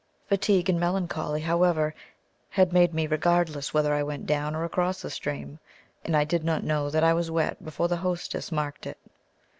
Fatigue and melancholy, however, had made me regardless whether I went down or across the stream, and I did not know that I was wet before the hostess marked it.